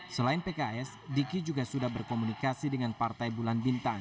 selain pks diki juga sudah berkomunikasi dengan partai bulan bintang